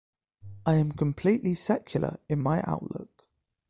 I am completely secular in my outlook.